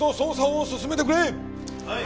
はい！